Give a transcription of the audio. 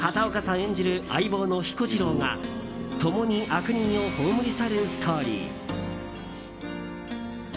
演じる相棒の彦次郎が共に悪人を葬り去るストーリー。